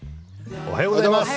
おはようございます。